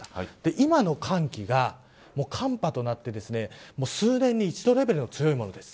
今の寒気が寒波となって数年に一度レベルの強いものです。